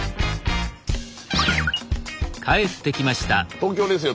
東京ですよ